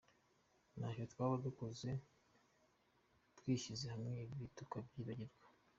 Ntacyo twaba dukoze twishyize hamwe ibi tukabyibagirwa.